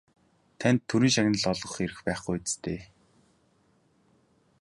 Танд Төрийн шагнал олгох эрх байхгүй биз дээ?